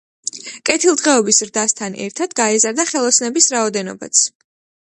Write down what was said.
კეთილდღეობის ზრდასთან ერთად გაიზარდა ხელოსნების რაოდენობაც.